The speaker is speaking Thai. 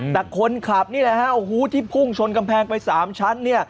แต่คนขับนี่แหละครับที่พุ่งชนกำแพงไป๓ชั้น